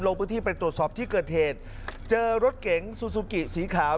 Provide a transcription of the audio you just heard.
ลงพื้นที่ไปตรวจสอบที่เกิดเหตุเจอรถเก๋งซูซูกิสีขาว